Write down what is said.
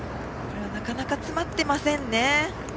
なかなか詰まっていませんね。